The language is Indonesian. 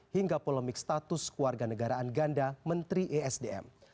hingga polemik status keluarga negaraan ganda menteri esdm